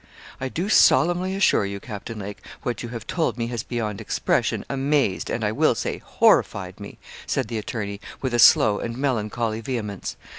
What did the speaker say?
'I do solemnly assure you, Captain Lake, what you have told me has beyond expression amazed, and I will say, horrified me,' said the attorney, with a slow and melancholy vehemence.